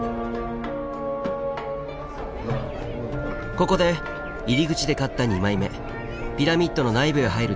ここで入り口で買った２枚目ピラミッドの内部へ入るチケットを見せます。